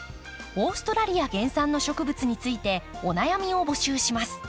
オーストラリア原産の植物についてお悩みを募集します。